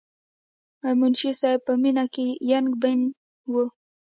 منشي صېب پۀ مينه کښې يک بين وو،